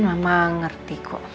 mama ngerti kok